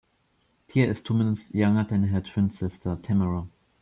Tia is two minutes younger than her twin sister, Tamera.